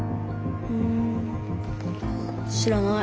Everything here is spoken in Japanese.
ん知らない。